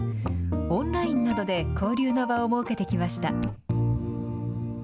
オンラインなどで交流の場を設けてきました。